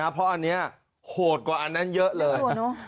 เพราะอันนี้โหดกว่าอันนั้นเยอะเลย